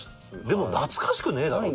でも懐かしくねえだろ？